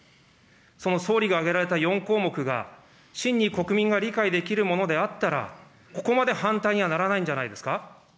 その総理が挙げられた４項目が、真に国民が理解できるものであったら、ここまで反対にはならないんじゃないですか。